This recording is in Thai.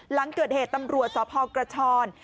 หลังเกิดเหตุตำรวจสพกระชอน